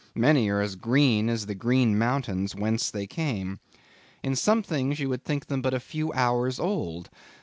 Many are as green as the Green Mountains whence they came. In some things you would think them but a few hours old.